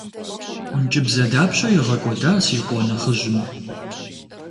Ӏункӏыбзэ дапщэ игъэкӏуэда си къуэ нэхъыжьым?